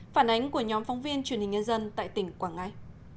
phản ánh của nhóm phóng viên truyền hình nhân dân tại tỉnh quảng ngãi